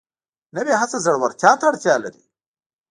نوې هڅه زړورتیا ته اړتیا لري